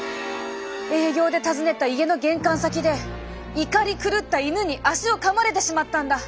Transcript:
営業で訪ねた家の玄関先で怒り狂った犬に足をかまれてしまったんだ。